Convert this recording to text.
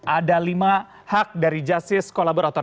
ada lima hak dari justice kolaborator